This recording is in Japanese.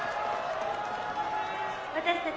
私たち